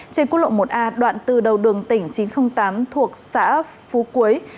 trên quốc lộ một a đoạn từ đầu đường tỉnh chín trăm linh tám thuộc xã phú quế